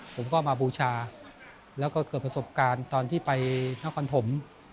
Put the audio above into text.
ผมก็มาบูชาแล้วก็เกิดประสบการณ์ตอนที่ไปนครปฐม